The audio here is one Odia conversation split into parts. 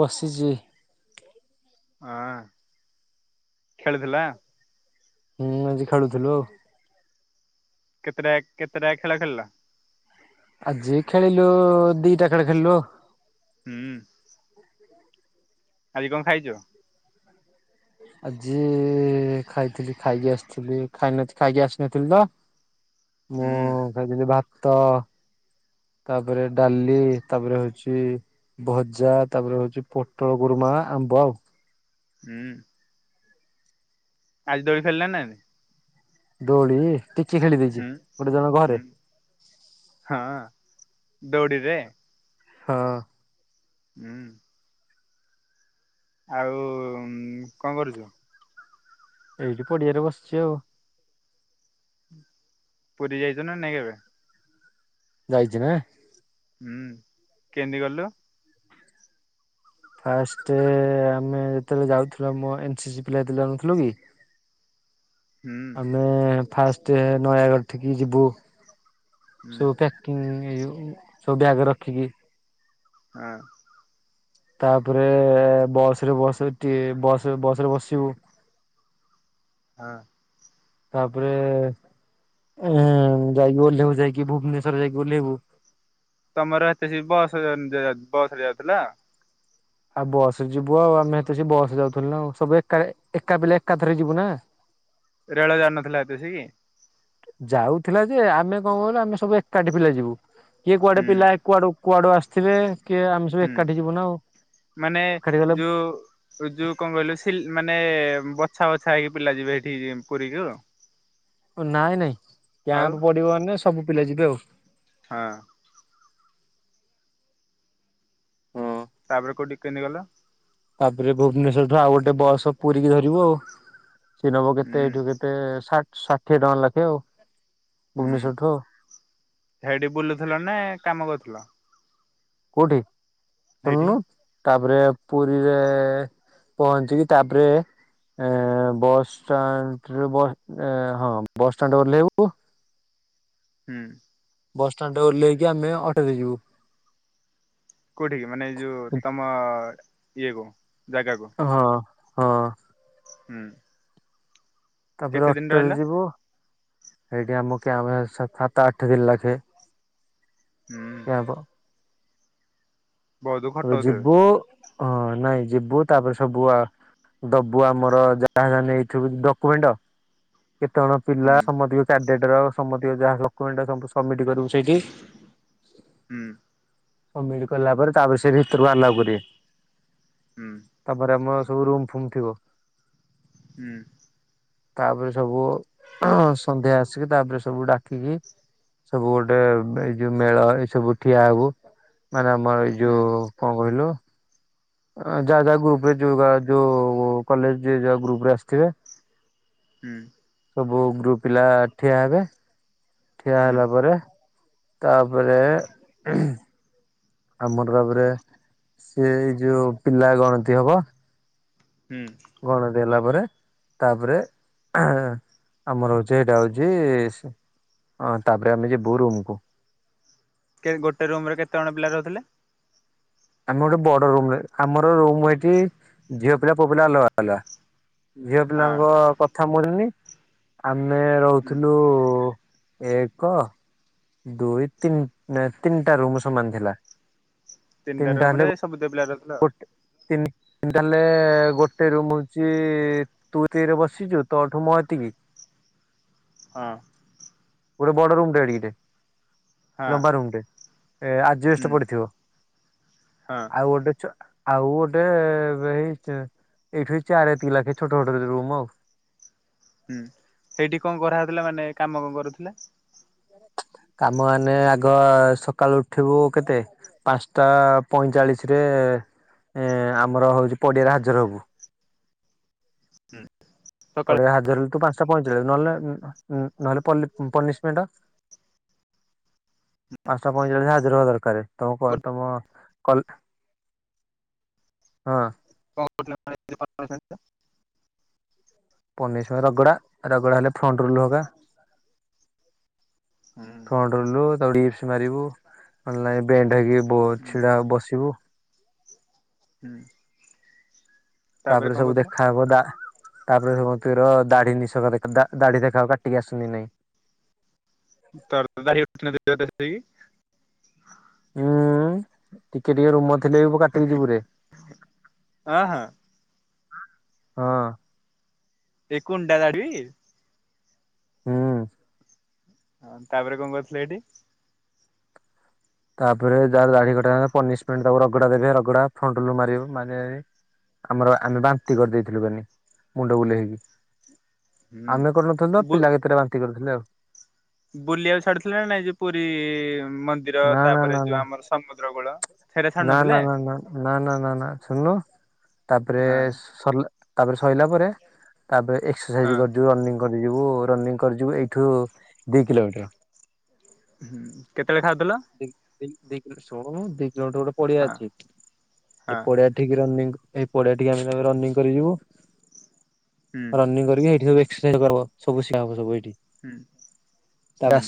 ବସିଛି। ଆ ଖେଳୁଥିଲା? ହୁଁ ଆଜି ଖେଳୁଥିଲୁ ଆଉ। କେତେଟା କେତେଟା ଖେଳ ଖେଳିଲ? ଆଜି ଖେଳିଲୁ ଦିଟା ଖେଳ ଖେଳିଲୁ ଆଉ। ହୁଁ। ଆଜି କଣ ଖାଇଛ। ଆଜି ଖାଇଥିଲି ଖାଇକି ଆସିଥିଲି ଖାଇ ନଥି ଖାଇକି ଆସିନଥିଲି ତ। ମୁଁ ହୁଁ ଖାଇଥିଲି ଭାତ ତାପରେ ଡାଲି ତାପରେ ହଉଛି ଭଜା ତାପରେ ହଉଛି ପୋଟଳ ଗୋରୁମା ଆମ୍ବ ଆଉ ହୁଁ। ଆଜି ଦୋଳି ଖେଳି ଲଣି ନା ନାଇ? ଦୋଳି? ଟିକେ ଖେଳି ଦେଇଛି। ହୁଁ ଗୋଟେ ଜଣ ଘରେ ହ ହଁ ଦୌଡ଼ିରେ? ହଁ। ହୁଁ। ଆଉ କଣ କରୁଛୁ? ଏଇଠି ପଡିଆରେ ବସିଛି ଆଉ ପୁରୀ ଯାଇଛୁ ନା ନାଇ କେବେ? ଯାଇଛି ନା। ହୁଁ କେଇନ୍ଦି ଗଲୁ? ଫାଷ୍ଟ ଆମେ ଯେତେବେଳେ ଯାଉଥିଲୁ ଆମ ଏନସି ସ ପିଲା ଯେତେବେଳେ ଯାଉନଥିଲୁ କି ହୁଁ। ଆମେ ଫାଷ୍ଟ ନୟାଗଡ଼ ଠିକି ଯିବୁୁ [inaudible] ହୁଁ ସବୁ ବ୍ୟାଗ୍ ରଖିକି ହଁ। ତାପରେ ବସ ରେ ବସ ବସ ବସ ରେ ବସିବୁ ହଁ। ତାପରେ ଯାଇକି ଓହ୍ଲେଇବୁ ଯାଇକି ଭୁବନେଶ୍ଵରରେ ଯାଇକି ଓହ୍ଲେଇବୁ - ତମର ସେତେ ଏସିକି ରେବସ ବସ ରେ ଯାଉଥିଲ? ଆଉ ବସ ରେ ଯିବୁ ଆଉ ଆମେ ସେତ ଅସିକି ବସ ରେ ଯାଉଥିଲୁ ନା ଆଉ ସବୁ ଏକା ଏକା ପିଲା ଏକାଥରେ ଯିବୁ ନା? ରେଳ ଯାଉ ନଥିଲା ସେତେ ଅସିକି? ଯାଉଥିଲା ଯେ ଆମେ କଣ କହିଲୁ ଆମେ ସବୁ ଏକାଠି ପିଲା ଯିବୁ କିଏ କୁଆଡେ ହୁଁ ପିଲା କୁଆଡେ କୁଆଡୁ ଆସିଥିବେ କିଏ ଆମେ ସବୁ ହୁଁ ଏକାଠି ଯିବୁ ନା ଆଉ ମାନେ ଏକାଠି ଗଲେ ଯୋଉ ଯୋଉ କଣ କହିଲୁ ମାନେ ବଛା ବଛା ହେଇକି ପିଲା ଯିବେ ସେଠିକି ପୁରୀ କୁ ଓ ନାଇଁ ନାଇଁ ଆଉ କ୍ୟାପ ପଡିବ ମାନେ ସବୁ ପିଲା ଯିବେ ଆଉ ହଁ। ହଁ ତାପରେ କୋଉଠି କେମିତି ଗଲ? ତାପରେ ଭୁବନେଶ୍ୱରଠୁ ଆଉ ଗୋଟେ ବସ ପୁରୀକି ଧରିବୁ ଆଉ ସିଏ ନବ କେତେ ହୁଁ ଏଇଠୁ କେତେ ଷାଠିଏ ଟଙ୍କା ଲାଖେ ଆଉ ହୁଁ ଭୁବନେଶ୍ଵରଠୁ ଆଉ ସେଇଠି ବୁଲୁଥିଲ ନା କାମ କରୁଥିଲ? କୋଉଠି ହେଇଠି? ଶୁଣୁନୁ ତାପରେ ପୁରୀରେ ପହଞ୍ଚିକି ତାପରେ ଏ ବସଷ୍ଟାଣ୍ଡ ହଁ ବସଷ୍ଟାଣ୍ଡ ରେ ଓହ୍ଲେଇଵୁ ହୁଁ। ବସଷ୍ଟାଣ୍ଡ ରେ ଓହ୍ଲାଇକି ଆମେ ଅଟୋରେ ଯିଵୁ। କୋଉଠି କି ମାନେ ଏଇ ଯୋଉ ତମ ଇଏ କୁ ଜାଗାକୁ? ହଁ ହଁ। ହୁଁ। ତାପରେ କେତେ ଦିନ ଅଟୋରେ ରହିଲ? ଯିବୁ ସେଇଠି ଆମ କ୍ୟାପ ଆମ ସାତ ଆଠ ଦିନ ଲାଖେ ହୁଁ। କ୍ୟାମ୍ପ ବହୁତ ଖଟଉଥିବେ ଯିବୁ ହଁ ନାଇଁ ଯିବୁ ତାପରେ ସବୁ ଆ ଦବୁ ଆମର ଯାହା ଯାହା ନେଇଥିବ ଡକ୍ୟୁମେଣ୍ଟ। କେତେ ଜଣ ପିଲା ହୁଁ ସମସ୍ତି କାରଡେଟର ସମତି ଯାହା ଏଇଟା ସବମିଟ କରିବୁ ସେଇଠି। ହୁଁ ସବମିଟ କଲା ପରେ ତାପରେ ସେ ଭିତରକୁ ଆଲଉ କରିବେ। ହୁଁ। ତାପରେ ଆମର ସବୁ ରୁମ ଫୁମ ଥିବ। ହୁଁ। ତାପରେ ସବୁ ସନ୍ଧ୍ୟା ଆସିକି ତାପରେ ସବୁ ଡାକିକି ସବୁ ଗୋଟେ ଏଇ ଯୋଉ ମେଳ ଏଇ ସବୁ ଠିଆ ହବ ମାନେ ଆମର ହୁଁ ଯୋଉ କଣ କହିଲ? ଯାହା ଯାହା ଗ୍ରୁପରେ ଯୋଉ ଯଉ କଲେଜ ଯିଏ ଯୋଉ ଗ୍ରୁପରେ ଆସିଥିବେ। ହୁଁ। ସବୁ ଗ୍ରୁପ ପିଲା ଠିଆ ହେବେ ଠିଆ ହୁଁ ହେଲା ପରେ। ତାପରେ ଆମର ଭାବରେ ସେଇ ଯୋଉ ପିଲା ଗଣତି ହବ। ହୁଁ। ଗଣତି ହେଲା ପରେ। ତାପରେ ଆମର ହଉଛି ଏଇଟା ହଉଛି। ହଁ ତାପରେ ଆମେ ଯିବୁ ରୁମକୁ। କେ ଗୋଟେ ରୁମରେ କେତେଜଣ ପିଲା ରହୁଥିଲେ? ଆମେ ଗୋଟେ ବଡ ରୁମ ଆମର ରୁମ ଏଇଠି ଝିଅ ପିଲା ପୁଅ ପିଲା ଅଲଗା ଅଲଗା। ଝିଅ ହଁ ପିଲାଙ୍କ କଥା ମଲିନି ଆମେ ହୁଁ ରହୁଥିଲୁ। ଏକ। ଦୁଇ ତିନି ତିନିଟା ରୁମ ସମାନ ଥିଲା। ତିନିଟା ରୁମରେ ସବୁ ତକ ପିଲା ରହୁଥିଲା। ଗୋଟେ ତିନି ତାହେଲେ ଗୋଟେ ରୁମ ହଉଛି ତୁତିରେ ବସିଛୁ ତୋଠୁ ମୋ ଏତିକି ହଁ। ଗୋଟେ ବଡ ରୁମ୍ ଟେ ଏଡିକଟେ ହଁ ହଁ ଲମ୍ବା ରୁମ୍ ଟେ। ଏ ହୁଁ ଆଜିଷ୍ଟ ପଡିଥିବ ହଁ ଆଉ ଗୋଟେ ଆଉ ଗୋଟେ ଏଇ ଏଇଠୁ ଚାର ଦତି ଲକ୍ଷେ ଛୋଟ ଛୋଟ ରୁମ୍ ଆଉ ହୁଁ ସେଇଠି କଣ କରାହେଉଥିଲା ମାନେ କାମ କଣ କରୁଥିଲେ। କାମ ହେଲେ ଆଗ ସକାଳୁ ଉଠିବୁ କେତେ? ପାଞ୍ଚଟା ପଇଁଚାଳିଶ ରେ ଏ ଆମର ହଉଛି ପଡିଆରେ ହାଜର ହବୁ। ହୁଁ। ପଡିିବା ହଜାରରୁ ତୁ ପାଞ୍ଚଟା ପଇଚାଲିଶ ନହେଲେ ନହେଲେ ପନିଶମେଣ୍ଟ। ପାଞ୍ଚଟା ପଇଁଚାଳିସ ହାଜର ହବା ଦରକାର ତମ ତମ ହଁ। [inaudible] ପନେଇ ରଗଡ଼ା ରଗଡ଼ା ହେଲେ ଫ୍ରଣ୍ଟ ରୁଲ ହୋଗା। ହୁଁ। ସ ମାରିବୁ [unintelligible] ହୁଁ ଛିଡା ବସିବୁ। ହୁଁ। ତାପରେ କଣ ସବୁ କହୁଥିଲ ଦେଖା ହବ ଦା ତାପରେ ସମସ୍ତର ଦାଢି ନିଶଖ ଦେଖ ଦା ଦାଢି ଦେଖାଉ କାଟିକି ଆସୁଛନ୍ତି କି ନାଇଁ। [unintelligible] ହୁଁ, ଟିକେ ଟିକେ ରୁମ ଥ ସିଲେଇ ସବୁ କାଟିକି ଜିବୁରେ ହଁ ହଁ ହଁ। ଏ କୁଣ୍ଡା ଦାଡ଼ି ହୁଁ। ହଁ ତାପରେ କଣ କରୁଥିଲେ ଏଇଠି? ତାପରେ ଯାହାର ଦାଢି କଟା ହେଲା ପନିସମେଣ୍ଟ ଦେବେ ରଗଡା ଦେବେ ରଗଡା ଫ୍ରଣ୍ଟରୁୁ ମାରିବ ମାନ ଆମର ଆମେ ବାନ୍ତି କରିଦେଇଥିଲୁାନି ମୁଣ୍ଡ ବୁଲେଇ ହେଇକି। ହୁଁ ଆମେ କରୁନଥିଲୁ ତ ବୁ ପିଲା କେତେଟା ବାନ୍ତି କରୁଥିଲେ ଆଉ। ବୁଲିବାକୁ ଛାଡୁଥିଲା ନା ନାଇଁ ଯେ ପୁରୀ ମନ୍ଦିର ନା ନା ତାପରେ ନା ଯୋଉ ଆମର ସମୁଦ୍ର କୂଳ? ସେଇଟା ଛାଡୁ ନା ନା ନଥିଲେ ନା ନା ନା ନା ନା ନା ସୁନୁନୁ ତାପରେ ହଁ ସର୍ଲା ତାପରେ ସଇଲା ପରେ ତାପରେ ହଁ ଏକ୍ସରସାଇଜ କରିୁ ରନିଙ୍ଗ କରି ଯିବୁ ରନିଙ୍ଗ କରିିଯିବୁ ଏଇଠୁ ଦି କିଲୋମିଟର। ହୁଁ, କେତେବେଳେ ଖାଉଥିଲ? [unintelligible] ଶୁଣନୁ ଦି କିଲୋମିଟର ଗୋଟେ ପଡିଆ ହଁ ଅଛି ଏ ହଁ ପଡିଆ ଠିକି ରନିଙ୍ଗ ଏଇ ପଡିଆକି ଆମେ ରନିଂ କରିିବୁ ହୁଁ ରନିଂ କରିକି ଏଇଠି ସବୁ [unintelligible] ହୁଁ, ହୁଁ।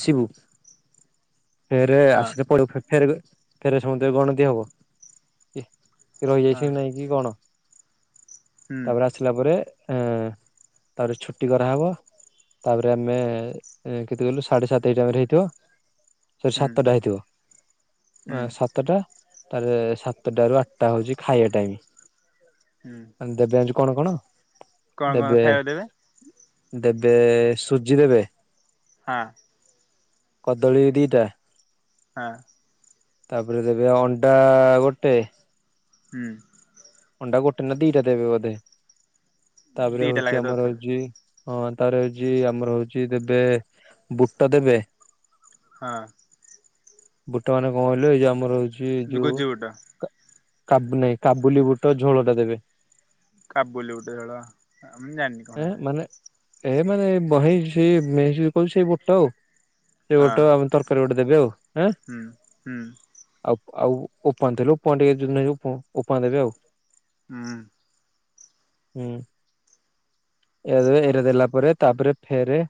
ଫେର ହଁ ଆସିଲେ [unintelligible] ଫେରବେ ସମତେ ଗଣତି ହବ କି ହଁ ରହିଯାଇଛି ନାଇଁ କି କଣ? ହୁଁ ତାପରେ ଆସିଲା ପରେ ଅ ତାପରେ ଛୁଟି କରାହେବ। ତାପରେ ଆମେ କେତେ କହିଲୁ ସାଢେ ସାତେ ଏଇ ଟାଇମ ହେଇଥିବ। ସ ହୁଁ ସାତଟା ହେଇଥିବ ହୁଁ ସାତ ସାତଟା ତାରେ ସାତଟ ରୁ ଆଠଟା ହଉଛି ଖାଇବା ଟାଇମ। ହୁଁ। ଦେବେ ଆଜି କଣ କଣ କଣ କଣ ଦେବେ ଖାଇବାକୁ ଦେବେ ସୁଜି ଦେବେ ହଁ। କଦଳୀ ଦିଟା ହଁ। ତାପରେ ଦେବେ ଅଣ୍ଡା ଗୋଟେ ହୁଁ। ଅଣ୍ଡା ଗୋଟେ ନା ଦିଟା ଦେବେ ବୋଧେ ତାପରେ ଦିଟା ହଉଛି ଲାଖେ ଆମର ଦଉଥିବେ ହଉଛି ହଁ ତାପରେ ହଉଛି ଆମର ହଉଛି ଦେବେ ବୁଟ ଦେବେ ହଁ। ବୁଟ ମାନେ କଣ କହିଲୁ ଏଇ ଯଉ ଆମର ହଉଛି ଏ ଯୋଉ ଗୁଜି ବୁଟ କାବୁ ନାଇଁ କାବୁଲି ବୁଟ ଝୋଳ ଟା ଦେବେ। କାବୁଲି ବୁଟ୍ ଝୋଳ ମୁଁ ଜାଣିନି। କଣ ଏ ହେରା ମାନେ ଏ ମାନେ ବହେ [unintelligible] ସେଇ ବୁଟ୍ ଆଉ। ସେ ହଁ ବୁଟ୍ ଆମେ ତରକାରୀ ଗୋଟେ ଦେବେ ଆଉ ହଁ। ହୁଁ ହୁଁ। ଆଉ ଆଉ ଓପମା ଆଣିଥିଲୁ [unintelligible] ଟିକେ ଓପମା ଦେବେ ଆଉ। ଉୁଁ। ଉୁଁ। ଏଇରା ଦେବେ ଏଇରା ଦେଲା ପରେ ତାପରେ ଫେରେ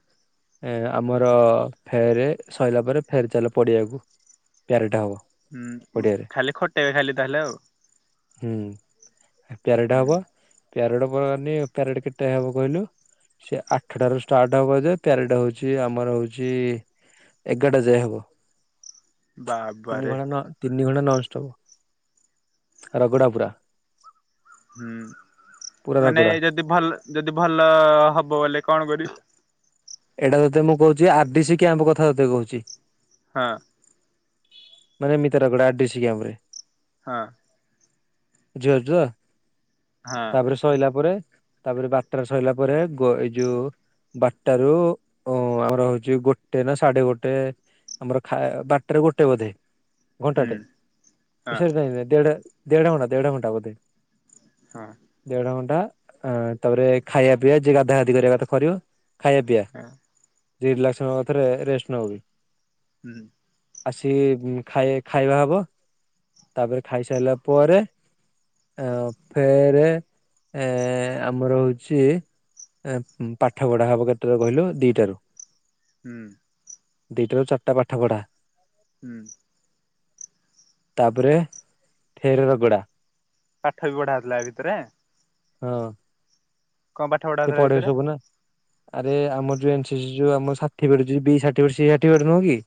ଏ ଆମର ଫେର ସରିଲା ପରେ ଫେରେ ଚାଲ ପଡିଆକୁ ପ୍ୟାରେଟେ ହବ। ଉୁଁ ହୁଁ ପଡିଆରେ। ଖାଲି ଖଟେଇବେ ଖାଲି ତାହେଲେ ଆଉ। ହୁଁ ପ୍ୟାରେଟ ହୁଁ। ହବ ପ୍ୟାରୋଡ ପ୍ୟାରେଟ କେତେ ହବ? କହିଲୁ ସେ ଆଠଟାରୁ ଷ୍ଟାର୍ଟ ହବଯେ ପ୍ୟାରେଟ ହଉଛି ଆମର ହଉଛି। ଏଗାରଟା ଯାଏଁ ହବ ତିନି ବାବାରେ ଘଣ୍ଟା ନ ତିନି ଘଣ୍ଟା ନନଷ୍ଟପ ରଗଡା ପୁରା ହୁଁ ପୁରା ମାନେ ରଗଡା। ଯଦି ଭଲ ଯଦି ଭଲ ହବ ବୋଲେ କଣ କରିବୁ? ଏଇଟା ତତେ ମୁଁ କହୁଛି ଆରଡିସି କ୍ୟାମ୍ପକଥା ତତେ କହୁଛି। ହଁ। ମାନେ ଏମିତି ରଗଡା ଡିସି କ୍ୟାମ୍ପରେ ହଁ। ଜୁଆ ଜୁଆ ହଁ ତାପରେ ସୋଇଲା ପରେ ତାପରେ ବାରଟାରେ ସୋଇଲା ପରେ ଏଇ ଯୋଉ ବାରଟାରୁ ଉୁଁ ଆମର ହଉଛି ଗୋଟେନା ସାଢେ ଗୋଟେ। ଆମର ଖା ବାରଟାରୁ ଗୋଟେ ବୋଧେ। ହୁଁ ଘଣ୍ଟାଟେ ହଁ ସରି ଦେଢ ଦେଢଘଣ୍ଟା ଦେଢଘଣ୍ଟା ବୋଧେ। ହଁ। ଦେଢଘଣ୍ଟା ତାପରେ ଖାଇବା ପିଇବା ଯିଏ ଗାଧାଗାଧି କରିବା କଥା କରିବ। ଖାଇବା ପିଇବା ହଁ ଯିଏ ରିଲାସ୍କ ନବା କଥା ରେ ରେଷ୍ଟ ନଉ। ଉୁଁ। ଆସିକି ଖାଇ ଖାଇବାହବ ତାପରେ ଖାଇସାଇଲା ପରେ। ଅଁ ଫେର ଏଁ ଆମର ହଉଚି। ପାଠ ପଢାହବ କେତେଟାରୁ କହିଲୁ ଦିଟାରୁ। ଉୁଁ। ଦିଟାରୁ ଚାରିଟା ପାଠ ପଢ଼ା। ଉୁଁ। ତାପରେ ଫେରେ ରଗୋଡା। ପାଠବି ପଢା ହଉଥିଲା ଏ ଭିତରେ। ଅଁ। କଣ ପାଠ ପଢା ଏ ହଉଥିଲା ପଢେ ଭିତରେ ସବୁନା। ଆରେ ଆମର ଯୋଉ ଏନ୍ ସି ସି ଯୋଉ ଆମ certificate B certificate C certificate ନୁହେଁକି।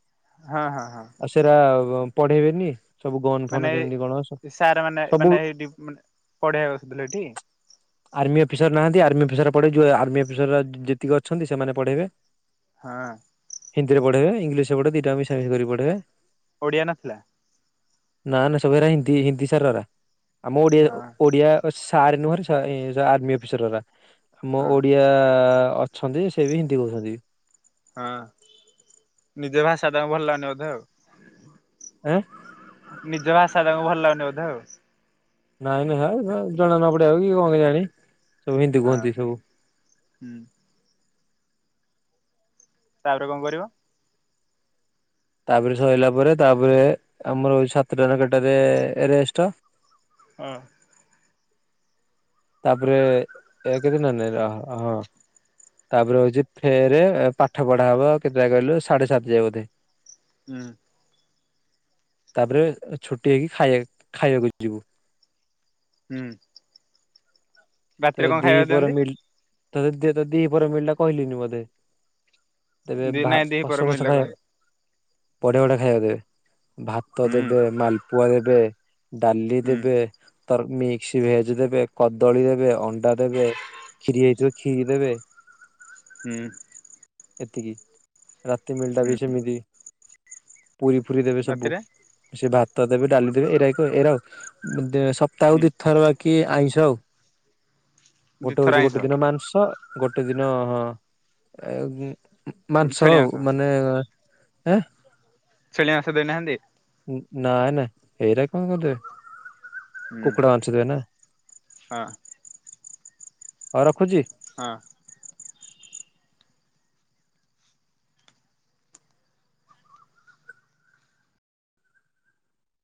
ହଁ ହଁ ହଁ ଆଉ ସେରା ପଢେଇବେନି। ସବୁ ଗନ୍ ଫନ୍ ମାନେ କେମିତି କଣ ସାରମାନେ ସବୁ ମାନେ ଏଇଠି ମାନେ ପଢେଇବା ଆସୁଥିଲେ ଏଠିକି। ଆର୍ମି ଅଫିସର ନାହାନ୍ତି ଆର୍ମି। ଅଫିସର ପରେ ଯୋଉ ଆର୍ମି ଅଫିସର ଯେତିକ ଅଛନ୍ତି ସେମାନେ ପଢ଼େଇବେ। ହଁ। ହିନ୍ଦୀରେ ପଢେଇବେ ଇଂଲିଶରେ ପଢେେଇବେ ଦୁଇଟା ଯାକ ମିଶାମିଶି କରି ପଢାଇବେ। ଓଡିଆ ନଥିଲା। ନାଁ ନାଁ ସବୁ ହେରା ହିନ୍ଦୀ ହିନ୍ଦୀ ସାରରା ଆମ ଓଡିଆ ହଁ ଓଡିଆ। ସାର୍ ନୁହଁରେ ସଏ ଆର୍ମି ଅଫିସରରା। ମୋ ହଁ ଓଡିଆ ଅଛନ୍ତି ସେବି ହିନ୍ଦୀ କହୁଛନ୍ତି। ହଁ ନିଜ ଭାଷା ତାଙ୍କୁ ଭଲ ଲାଗୁନେହିଁ ବୋଧେ ଆଉ। ଆଁ। ନିଜ ଭାଷା ତାଙ୍କୁ ଭଲ ଲାଗୁନେହିଁ ବୋଧେ ଆଉ। ନାଇଁ ନାଇଁ ଜଣା ନ ପଡିବା କି କଣ କେଜାଣି ସବୁ ହିନ୍ଦୀ ହଁ କୁହନ୍ତି ସବୁ। ହୁଁ। ତାପରେ କଣ କରିବ? ତାପରେ ସଇଲା ପରେ ତାପରେ ଆମର ସାତଟାରେ କେତେଟାଯାଏ ରେଷ୍ଟ। ହଁ। ତାପରେ ଏକେ ଦିନ ନନେରହ ହଁ। ତାପରେ ହଉଚି ଫେରେ ପାଠ ପଢା ହବ କେତେଟା କହିଲୁ ସାଢେ ସାତ୍ ଯାଏ ବୋଧେ। ହୁଁ। ତାପରେ ଛୁଟି ହେଇକି ଖାଇ ଖାଇବାକୁ ଯିବୁ। ହୁଁ। ତତେ ରାତିରେ କଣ ଖାଇବାକୁ ଦିହିପହର୍ ଦିଅନ୍ତି? ମିଲ୍ ତତେ ଦିପହର ମିଲ୍ ଟା କହିଲିନି ବୋଧେ। ତେବେ ଦି ଭା ନାଇଁ ଦି ପହର ଖସ ମିଲ୍ କସ ରେ ଖାଇବାକୁ। କହନ୍ତି ବଢିଆ ବଢିଆ ଖାଇବାକୁ ଦେବେ ଭାତ ହୁଁ ଦେବେ ମାଲପୁଆ ଦେବେ। ଡାଲି ହୁଁ ଦେବେ ତ ର ମିକ୍ସି ଭେଜେ ଦେବେ କଦଳୀ ଦେବେ। ଅଣ୍ଡା ଦେବେ କ୍ଷୀରି ହେଇଥିବ କ୍ଷୀରି ଦେବେ। ହୁଁ। ଏତିକି ରାତି ମିଲ୍ ଟା ହୁଁ ବି ସେମିତି। ପୁରୀ ଫୁରୀ ଦେବେ ସବୁ ରାତିରେ ସେ ଭାତ ଦେବେ ଡାଲି ଦେବେ ଏରାଏକ ଏରା ସ ସପ୍ତାହକୁ ହୁଁ ଦି ଥର ବାକି ଆଇଁଷ ଆଉ। ଗୋଟେ ଦିଥର ହଉଛି ଆଇଁଷ ଗୋଟେ ଦିନ ମାଂସ ଗୋଟେ ଦିନଏ। ମାଂସ ଆଉ ମାନେଁ ଏଁ। ଛେଳି ମାଂଶ ଦେଇନାହାନ୍ତି? ନାଇ ନାଇ ହେଇରା କଣ ଗୋଟେ ହୁଁ କୁକୁଡା ମାଂଶ ଦେବେନା। ହଁ। ହ ଉ ରଖୁଚି। ହଁ।